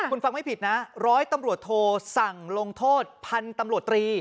พูดไม่ผิดนะร้อยตำรวจโทสั่งลงโทษพันตำรวจตรี